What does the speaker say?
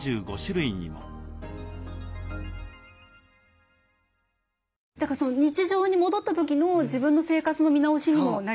日常に戻った時の自分の生活の見直しにもなりますよね。